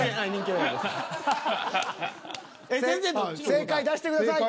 正解出してください。